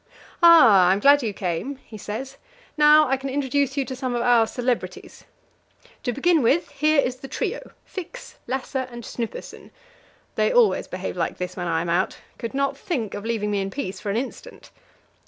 "Ah, I'm glad you came," he says; "now I can introduce you to some of our celebrities. To begin with, here is the trio Fix, Lasse, and Snuppesen. They always behave like this when I am out could not think of leaving me in peace for an instant.